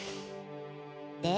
で？